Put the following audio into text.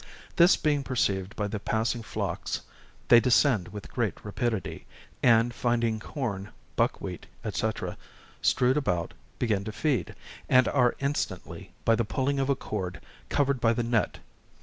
This being perceived by the passing flocks, they descend with great rapidity, and finding corn, buckwheat, etc, strewed about, begin to feed, and are instantly, by the pulling of a cord, covered by the net.